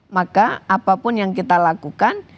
maka apapun yang kita lakukan